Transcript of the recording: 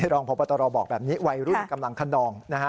รองพปฎบอกแบบนี้วัยรุ่นกำลังคนอง